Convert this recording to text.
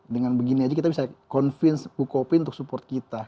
dengan begini aja kita bisa convince ucopy untuk support kita